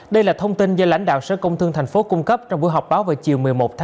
đây là thông tin do lãnh đạo sở công thương tp hcm cung cấp trong buổi họp báo vào chiều một mươi một một mươi một